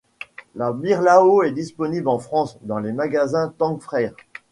La Beerlao est disponible en France dans les magasins Tang Frères.